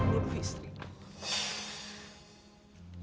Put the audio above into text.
aku sudah bunuh istrimu